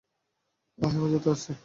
হ্যাঁঁ হেফাজতে আছি।